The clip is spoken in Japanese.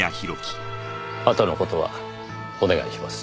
あとの事はお願いします。